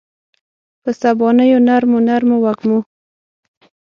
په سبانیو نرمو، نرمو وږمو